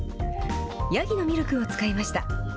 ヤギのミルクを使いました。